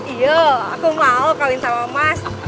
iya aku mau kawin sama mas